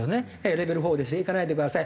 「レベル４ですよ行かないでください」。